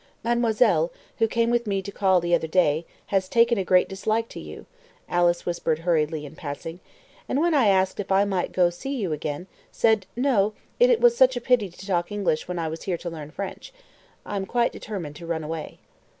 "Mademoiselle, who came with me to call the other day, has taken a great dislike to you," Alice whispered hurriedly in passing; "and when I asked if I might go to see you again, said, 'No, it was such a pity to talk English when I was here to learn French.' I am quite determined to run away."